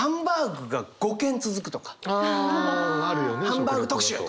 ハンバーグ特集とか。